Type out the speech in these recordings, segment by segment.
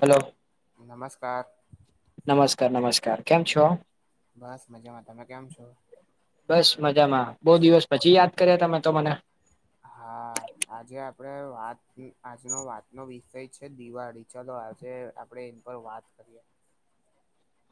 Hello. નમસ્કાર. નમસ્કાર, નમસ્કાર કેમ છો? બસ મજામાં, તમે કેમ છો? બસ મજામાં, બહુ દિવસ પછી યાદ કર્યા, તમે તો મને. હા, આજે આપડે વાત આજનો વાતનો વિષય છે, દિવાળી. ચલો, આજે આપડે એની પર વાત કરીએ.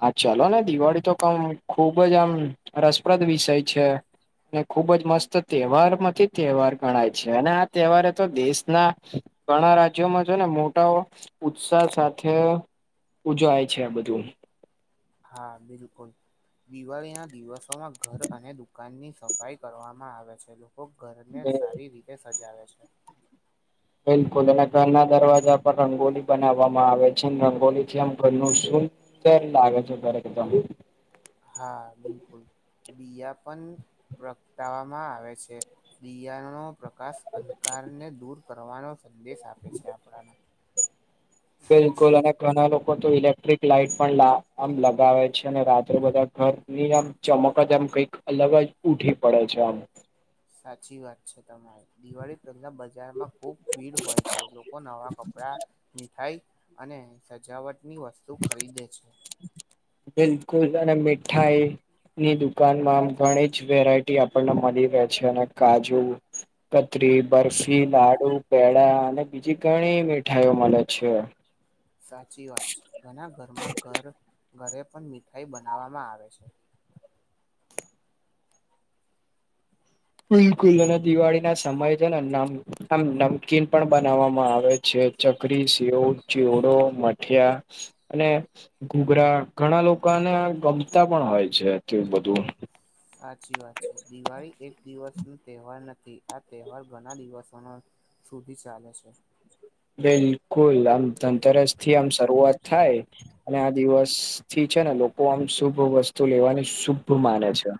હા, ચલો ને, દિવાળી તો કમ ખુબ જ આમ રસપ્રદ વિષય છે. ખુબજ મસ્ત તહેવાર માંથી તહેવાર ગણાય છે, અને તહેવારે તો દેશના ઘણા રાજ્યોમાં જો ને, મોટાઓ. ઉત્સાહ સાથે ઉજવાય છે, આ બધું. હા બિલકુલ, દિવાળી ના દિવસોમાં ઘર અને દુકાનની સફાઈ કરવામાં આવે છે, લોકો ઘરને સારી રીતે સજાવે છે. બિલકુલ, અને ઘરના દરવાજા પર રંગોલી બનાવવામાં આવે છે, રંગોલી થી આમ ઘરનું શું ક્યારે લાગે છે ઘરે બધો હા બિલકુલ બીયા પણ પ્રગટાવવામાં આવે છે. બિયારણો પ્રકાશ અંધકારને દૂર કરવાનો સંદેશ આપે છે આપણાને બિલકુલ અને ઘણા લોકો તો ઇલેક્ટ્રિક લાઈટ પણ આમ લગાવે છે અને રાત્રે બધા ઘર એની આમ ચમક જ આમ કઈક અલગ જ ઊઠી પડે છે આમ સાચી વાત છે તમારી. દિવાળી પહેલા બજારમાં ખુબ ભીડ હોય છે લોકો નવા કપડા મીઠાઈ અને સજાવટની વસ્તુ ખરીદે છે. બિલકુલ અને મીઠાઈ ની દુકાનમાં આમ ઘણી જ વેરાયટી આપણને મલી રહે છે અને કાજુ કતરી બરફી લાડુ પેડા અને બીજી ઘણી મીઠાઈઓ મલે છે. સાચી વાત છે ઘણા ઘરમાં ઘર ઘરે પણ મીઠાઈ બનાવવામાં આવે છે. બિલકુલ અને દિવાળીના સમય છે નમ આમ નમકીન પણ બનાવવામાં આવે છે. છે ચકરી સેવ ચેવડો મઠિયા અને ઘૂઘરા ઘણા લોકોને ગમતા પણ હોય છે તે બધું સાચી વાત છે દિવાળી એક દિવસનો તહેવાર નથી આ તહેવાર ઘણા દિવસોનો સુધી ચાલે છે. બિલકુલ આમ ધનતેરસથી આમ શરૂઆત થાય અને આ દિવસ થી છે ને લોકો આમ શુભ વસ્તુ લેવાની શુભ માને છે.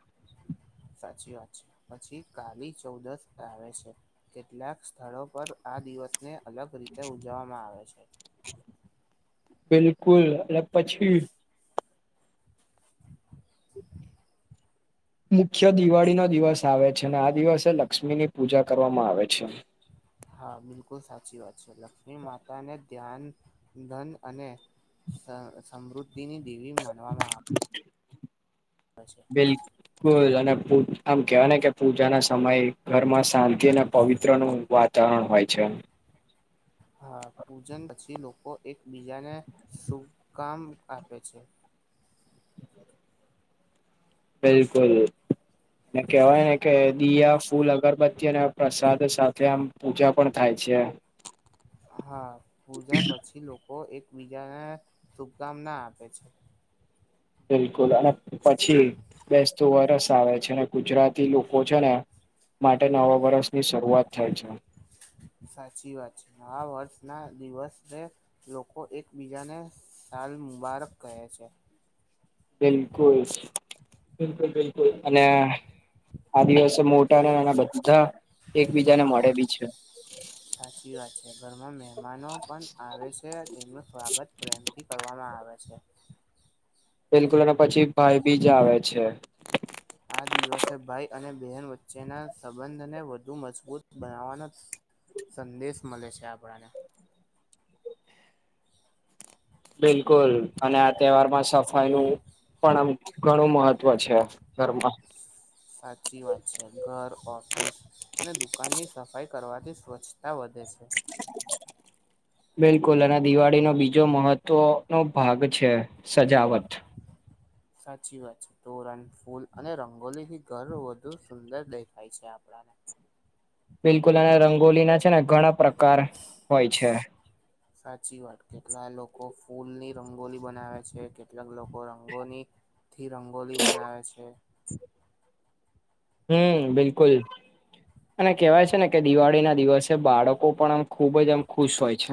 સાચી વાત છે પછી કાલી ચૌદશ આવે છે. કેટલાક સ્થળો પર આ દિવસને અલગ રીતે ઉજવવામાં આવે છે. બિલકુલ અને પછી મુખ્ય દિવાળીનો દિવસ આવે છે અને આ દિવસે લક્ષ્મીની પૂજા કરવામાં આવે છે. હા બિલકુલ સાચી વાત છે લક્ષ્મી માતાને ધ્યાન ધન અને સમૃદ્ધિની દેવી માનવામાં આવે છે બિલ અને આમ કેવાય ને કે પૂજાના સમયે ઘરમાં શાંતિ અને પવિત્રનું વાત વાતાવરણ હોય છે. [inaudible] હા પૂજન પછી લોકો એકબીજાને શુભકામ આપે છે. બિલકુલ. એ કહેવાય ને કે દયા ફૂલ અગરબત્તી અને પ્રસાદ સાથે આમ પૂજા પણ થાય છે હા પૂજા પછી લોકો એકબીજાને શુભકામના આપે છે. બિલકુલ અને પછી બેસતું વરસ આવે છે ને ગુજરાતી લોકો છે ને માટે નવા વર્ષની શરૂઆત થાય છે. સાચી વાત છે, આ વર્ષના દિવસને લોકો એકબીજાને સાલ મુબારક કહે છે. બિલકુલ બિલકુલ બિલકુલ અને આ દિવસે મોટા અને નાના બધા એકબીજાને મળે બી છે. સાચી વાત છે, ઘરમાં મે મહેમાનો પણ આવે છે તેમનું સ્વાગત પ્રેમથી કરવામાં આવે છે. બિલકુલ અને પછી ભાઈ બીજ આવે છે. આ દિવસે ભાઈ અને બહેન વચ્ચેના સંબંધને વધુ મજબૂત બનાવવાનો સંદેશ મલે છે, આપણને બિલકુલ અને આ તહેવારમાં સફ નું પણ આમ ઘણું મહત્વ છે, ઘરમાં સાચી વાત છે, ઘર ઓફિસ અને દુકાન ની સફાઈ કરવાથી સ્વચ્છતા વધે છે, બિલકુલ અને દિવાળી નો બીજો મહત્વ નો ભાગ છે, સજાવટ સાચી વાત છે તોરણ ફૂલ અને રંગોલીથી ઘર વધુ સુંદર દેખાય છે, આપણાને બિલકુલ અને રંગોલી ના છે ને ઘણા પ્રકાર હોય છે, સાચી વાત કેટલા લોકો ફૂલની રંગોલી બનાવે છે, કેટલાક લોકો રંગોની થી રંગોલી બનાવે છે, હમ બિલકુલ અને કેહેવાય છે ને કે દિવાળી ના દિવસ બાળકો પણ આમ ખુબ જ એમ ખુશ હોય છે,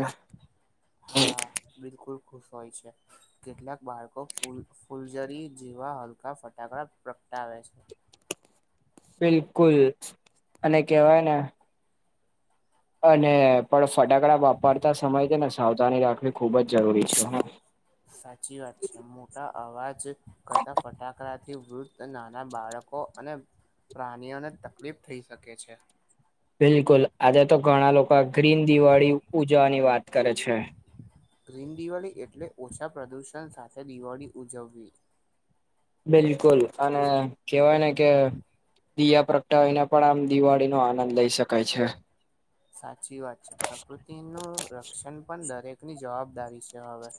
હા બિલકુલ ખુશ હોય છે, કેટલાક બાળકો ફૂ ફૂલજરી જેવા હલકા ફટાકડા પ્રગટાવે છે, બિલકુલ અને કેવાય ને અને પણ ફટાકડા વાપરતા સમયે છે ને સાવધાની રાખવી ખૂબ જ જરૂરી છે, સાચી વાત છે મોટા અવાજ કરતા ફટાકડા થી વૃદ્ધ નાના બાળકો અને પ્રાણીઓને તકલીફ થઈ શકે છે, બિલકુલ આજે તો ઘણા લોકો ગ્રીન દિવાળી ઉજવાની વાત કરે છે, ગ્રીન દિવાળી એટલે ઓછા પ્રદૂષણ સાથે દિવાળી ઉજવવી બિલકુલ અને કેહેવાય ને કે દીયા પ્રગટાવીને પણ આમ દિવાળી નો આનંદ લઇ શકાય છે. [inaudible] સાચી વાત છે. પ્રકૃતિનું રક્ષણ પણ દરેકની જવાબદારી છે હવે.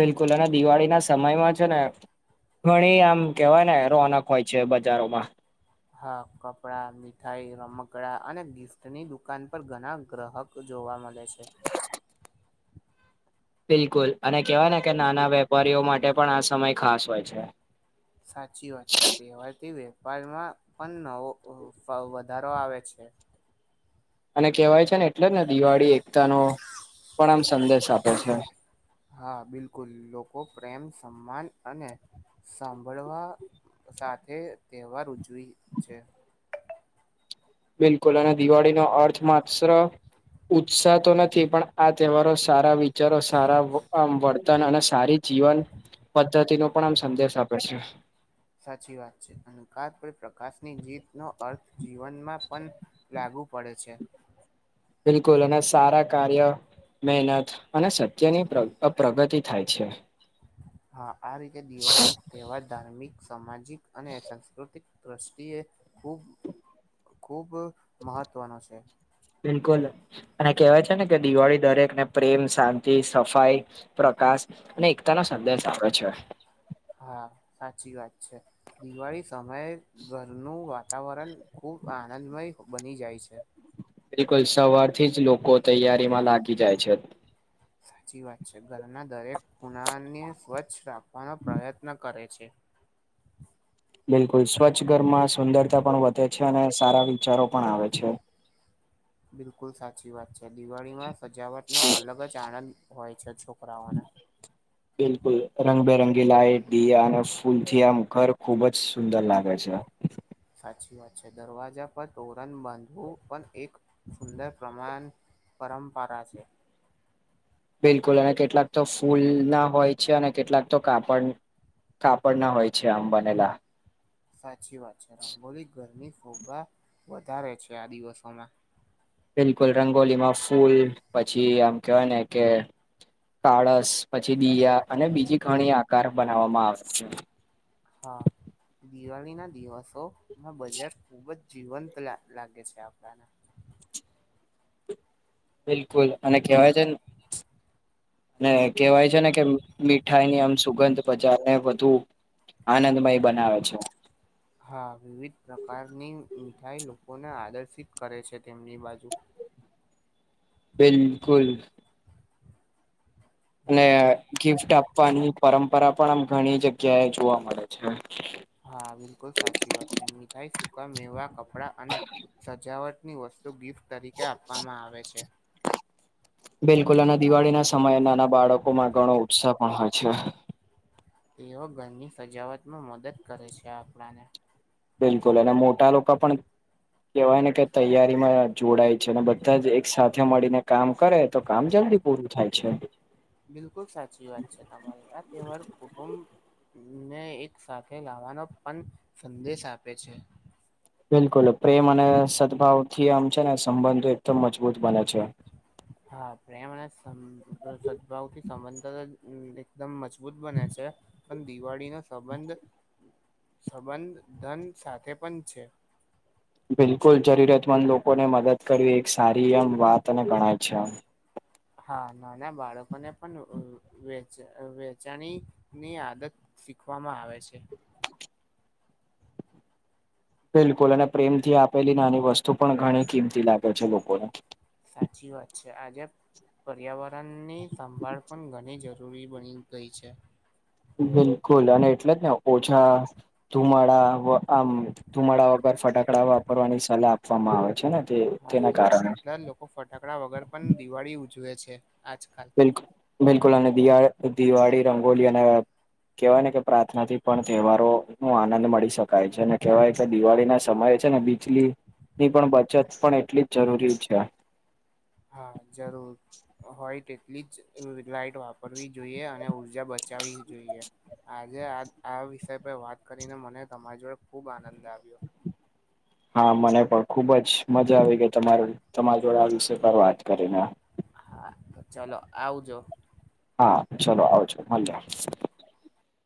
બિલકુલ! અને દિવાળી ના સમયમાં છે ને ઘણી આમ કેવાય ને રોનક હોય છે બજારોમાં. હા! કપડાં, મીઠાઈ, રમકડા અને ગિફ્ટની દુકાન પર ઘણા ગ્રાહક જોવા મળે છે. બિલકુલ! અને કેવાય ને કે, નાના વેપારીઓ માટે પણ આ સમય ખાસ હોય છે. સાચી વાત છે. તહેવારથી વેપારમાં પણ નવો વધારો આવે છે. અને કેહેવાય છે ને, એટલે ને દિવાળી એકતા નો પણ આમ સંદેશ આપે છે. હા! બિલકુલ. લોકો પ્રેમ, સમ્માન અને સાંભળવા સાથે તહેવાર ઉજવી છે. બિલકુલ અને દિવાળીનો અર્થ માત્ર ઉત્સાહ તો નથી. પણ આ તહેવારો સારા વિ ચરો સારા વર્તન અને સારી જીવન પદ્ધતિ નો પણ આમ સંદેશ આપે છે. સાચી વાત છે. અહંકાર પર પ્રકાશની જીતનો અર્થ જીવનમાં પણ લાગુ પડે છે. બિલકુલ! અને સારા કાર્ય મહેનત અને સત્યની પ્રગતિ થાય છે. હા! આ રીતે દિવાળીનો તહેવાર ધાર્મિક, સામાજિક અને સાંસ્કૃતિક દ્રષ્ટિએ ખૂબ ખૂબ મહત્ત્વનો છે. બિલકુલ! અને કેહેવાય છે ને કે દિવાળી દરેકને પ્રેમ, શાંતિ, સફાઈ, પ્રકાશ અને એકતા નો સંદેશ આપે છે. હા, સાચી વાત છે., દિવાળી સમયે ઘરનું વાત વાતાવરણ ખુબ આનંદમય બની જાય છે. બિલકુલ, સવારથી જ લોકો તૈયારીમાં લાગી જાય છે. સાચી વાત છે., ઘરના દરેક ખૂણાને સ્વચ્છ રાખવાનો પ્રયત્ન. કરે છે. બિલકુલ, સ્વચ્છ ઘરમાં સુંદરતા પણ વધે છે, અને સારા વિચારો પણ આવે છે. બિલકુલ સાચી વાત છે, દિવાળીમાં સજાવટનો અલગ જ આનંદ હોય છે છોકરાઓને. [unintelligible] બિલકુલ, રંગબેરંગી લાઈટ, દિયા અને ફૂલ થી આમ ઘર ખુબ જ સુંદર લાગે છે. સાચી વાત છે, દરવાજા પર તોરણ બાંધવું પણ એક સુંદર પ્રમાન પરંપરા છે. બિલકુલ, અને કેટલાક તો ફૂલ ના હોય છે, અને કેટલાક તો કાપડ કાપડ ના હોય છે, આમ બનેલા. સાચી વાત છે, રંગોલી ઘરમની ફોગા વધારે છે, આ દિવસોમાં. બિલકુલ રંગોલીમાં ફૂલ પછી આમ કેવાય ને, કે કાળસ. પછી દીયા, અને બીજી ઘણી આકાર બનાવવામાં આવે છે. હા, દિવાળી ના દિવસોમાં બજાર ખુબ જ જીવંત લાગે છે, આપણાને. બિલકુલ, અને કેહેવાય છે ને. ને કહેવાય છે ને કે, મીઠાઈ ની આમ સુગંધ બજાને વધુ. આનંદમય બનાવે છે. [unintelligible] હા, વિવિધ પ્રકારની મીઠાઈ લોકોને આદર્શિત કરે છે, તેમની બાજુ. બિલકુલ. અને હમ ગિફ્ટ આપવાની પરંપરા પણ આમ ઘણી જગ્યાએ જોવા મળે છે. હા, બિલકુલ સાચી વાત છે. મીઠાઈ, સૂકા મેવા, કપડાં અને સજાવટની વસ્તુ તો ગિફ્ટ તરીકે આપવામાં આવે છે. બિલકુલ, અને દિવાળી ના સમયે નાના બાળકોમાં ઘણો ઉત્સાહ પણ હોય છે. તેઓ ઘરની સજાવટમાં મદદ કરે છે આપણાને. બિલકુલ, અને મોટા લોકો પણ કેવાય ને કે, તૈયારીમાં જોડાય છે, અને બધા જ એક સાથે મળીને કામ કરે, તો કામ જલ્દી પૂરું થાય છે. બિલકુલ, સાચી વાત છે, તમારી આ તહેવાર કુટુંબ ને એક સાથે ગાવાનો પણ સંદેશ આપે છે. બિલકુલ, પ્રેમ અને સદભાવ થી આમ છે ને, સંબંધો એકદમ મજબૂત બને છે. હા, પ્રેમ અને સદભાવ થી સંબંધ એકદમ મજબૂત મજબૂત બને છે, પણ દિવાળી નો સંબંધ સંબંધ ધન સાથે પણ છે. બિલકુલ, જરૂરતમંદ લોકોને મદદ કરવી, એક સારી એમ વાત અને ગણાય છે. હા, નાના બાળકોને પણ વ વેચાણી ની આદત. શીખવામાં આવે છે. બિલકુલ, અને પ્રેમથી આપેલી નાની વસ્તુ પણ ઘણી કિંમતી લાગે છે લોકોને. સાચી વાત છે, આજ પર્યાવરણની સંભાળ પણ ઘણી જરૂરી બની ગઈ છે. બિલકુલ, અને એટલે જ ને ઓછા ધુમાડા આમ ધુમાડા વગર ફટાકડા વાપરવાની સલાહ આપવામાં આવે છે ને તે હા તેના બિલકુલ કારણે કેટલા લોકો ફટાકડા વગર પણ દિવાળી ઉજવે છે આજકાલ બિલકુલ બિલકુલ અને દિવા દિવાળી રંગોલી અને કહેવાય ને કે પ્રાર્થનાથી પણ તહેવારોનો આનંદ મળી શકાય છે અને કહેવાય કે દિવાળીના સમય છે ને લીની પણ બચત પણ એટલી જ જરૂરી છે. હા જરૂર હોય તેટલી જ લાઈટ વાપરવી જોઈએ અને ઉર્જા બચાવવી જોઈએ. આજે આ આ વિષય પર વાત કરીને મને તમારી જોડે ખુબ આનંદ આવ્યો. હા મને પણ ખુબ જ મજા આવી ગઈ તમારી તમારી જોડે આ વિષય પર વાત કરીને હા તો ચલો આવજો. હા ચલો આવજો મલીએ.